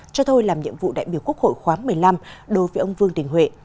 cho thôi làm nhiệm vụ đại biểu quốc hội khóa một mươi năm đối với ông vương đình huệ